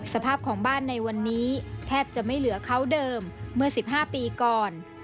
สภาพของบ้านในวันนี้แทบจะไม่เหลือเขาเดิมเมื่อ๑๕ปีก่อน